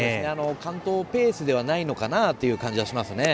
完投ペースではないのかなという感じがします。